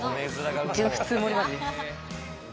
自分は普通盛りまでです。